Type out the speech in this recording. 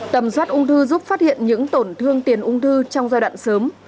tầm soát ung thư giúp phát hiện những tổn thương tiền ung thư trong giai đoạn sớm